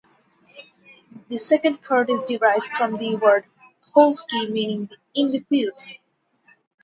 The second part is derived from the word "polsky" meaning "in the fields".